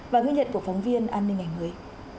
và ghi nhận của phóng viên an ninh ngày mới